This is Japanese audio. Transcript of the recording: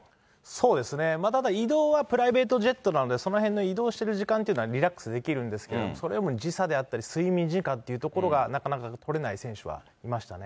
そうですね、ただ移動はプライベートジェットなので、そのへんの移動する時間というのは、リラックスできるんですけど、それよりも時差であったり、睡眠時間というところがなかなかとれない選手はいましたね。